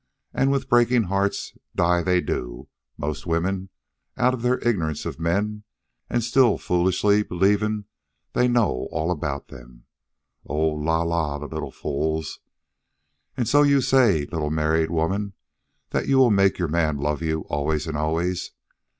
And with breaking hearts, die they do, most women, out of their ignorance of men and still foolishly believing they know all about them. Oh, la la, the little fools. And so you say, little new married woman, that you will make your man love you always and always?